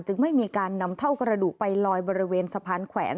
ไม่มีการนำเท่ากระดูกไปลอยบริเวณสะพานแขวน